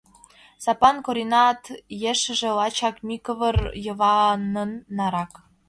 Сапан Коринат ешыже лачак Микывыр Йыванын нарак.